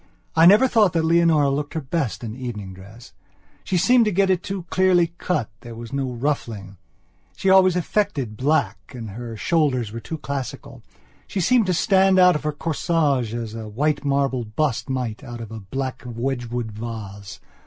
I never thought that Leonora looked her best in evening dress. She seemed to get it too clearly cut, there was no ruffling. She always affected black and her shoulders were too classical. She seemed to stand out of her corsage as a white marble bust might out of a black Wedgwood vase.